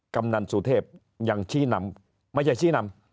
กำนันสุเทพยังชี้นำไม่ใช่ชี้นำ